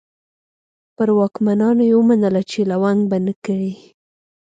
پر واکمنانو یې ومنله چې لونګ به نه کري.